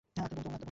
আত্মার বন্ধু আমরা!